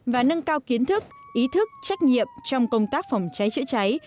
và nâng cao kiến thức ý thức trách nhiệm trong công tác phòng cháy chữa cháy